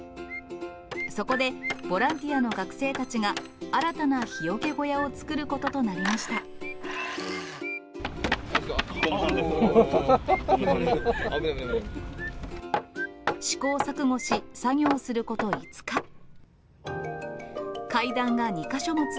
そこで、ボランティアの学生たちが新たな日よけ小屋を作ることとなりまし危ない、危ない。